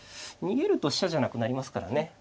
逃げると飛車じゃなくなりますからね。